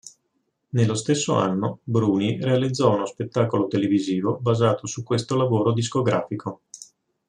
Nello stesso anno, Bruni realizzò uno spettacolo televisivo basato su questo lavoro discografico.